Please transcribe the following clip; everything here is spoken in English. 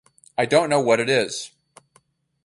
I don’t know what it is.